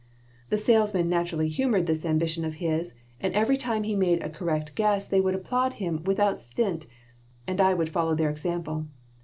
The salesmen naturally humored this ambition of his and every time he made a correct guess they would applaud him without stint, and I would follow their example.